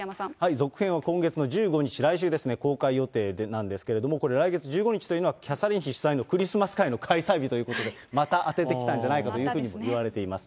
続編は今月の１５日、来週ですね、公開予定なんですけども、これ、来月１５日というのは、キャサリン妃主催のクリスマス会の開催日ということで、また当ててきたんじゃないかというふうにいわれています。